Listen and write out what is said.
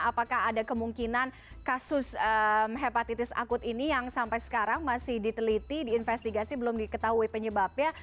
apakah ada kemungkinan kasus hepatitis akut ini yang sampai sekarang masih diteliti diinvestigasi belum diketahui penyebabnya